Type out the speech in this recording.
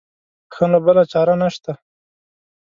ښه نو بله چاره نه شته.